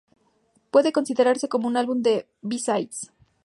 Puede considerarse como un álbum de B-Sides.